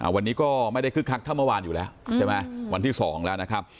วันนี้ก็ไม่ได้คึกคักเท่าเมื่อวานอยู่แล้วใช่ไหมวันที่๒แล้วนะครับ